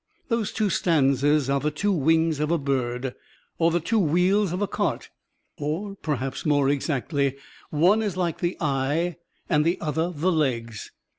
Those two stanzas are the two wings of a bird, or the two wheels of a cart, or, perhaps more exactly, one is like the eye and the other the legs.